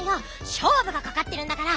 しょうぶがかかってるんだから。